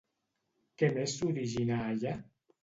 Què més s'origina allà?